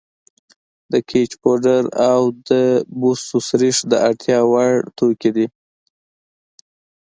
د ګچ پوډر او د بوسو سريښ د اړتیا وړ توکي دي.